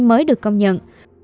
hay mới được công nhận